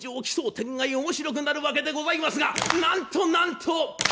奇想天外面白くなるわけでございますがなんとなんと！